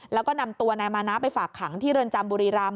แล้วก็นำตัวนายมานะไปฝากขังที่เรือนจำบุรีรำ